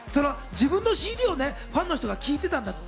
自分のＣＤをファンの人が聴いてたんだって。